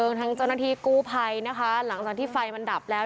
ทั้งเจ้าหน้าที่กู้ภัยนะคะหลังจากที่ไฟมันดับแล้ว